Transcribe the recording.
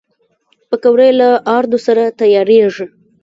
پکورې له آردو سره تیارېږي